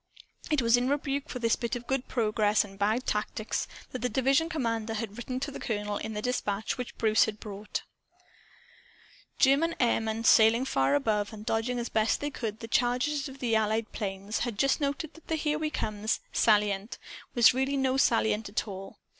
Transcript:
It was in rebuke for this bit of good progress and bad tactics that the division commander had written to the colonel, in the dispatch which Bruce had brought. German airmen, sailing far above, and dodging as best they could the charges of the Allied 'planes, had just noted that the "Here We Comes" "salient" was really no salient at all.